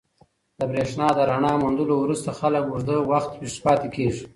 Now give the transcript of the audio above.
د برېښنا د رڼا موندلو وروسته خلک اوږده وخت ویښ پاتې کېږي.